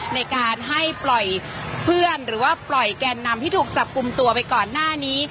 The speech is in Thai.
ในการให้ปล่อยเพื่อนหรือว่าปล่อยแกนนำที่ถูกจับกลุ่มตัวไปก่อนหน้านี้